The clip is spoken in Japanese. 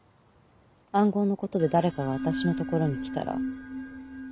暗号のことで誰かが私の所に来たら。